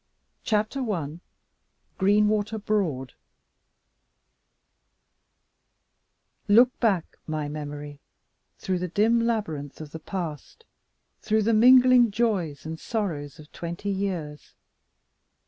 CHAPTER I. GREENWATER BROAD LOOK back, my memory, through the dim labyrinth of the past, through the mingling joys and sorrows of twenty years.